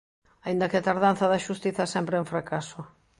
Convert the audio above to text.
Aínda que a tardanza da xustiza sempre é un fracaso.